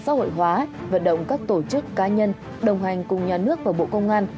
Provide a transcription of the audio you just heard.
xã hội hóa vận động các tổ chức cá nhân đồng hành cùng nhà nước và bộ công an